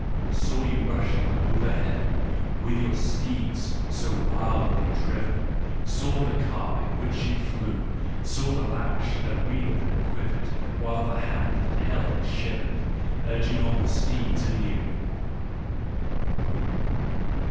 Saw you rushing over Heaven, With your steeds so wildly driven, Saw the car in which you flew; Saw the lash that wheeled and quivered, While the hand that held it shivered, Urging on the steeds anew.